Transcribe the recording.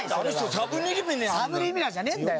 サブリミナルじゃねえんだよ！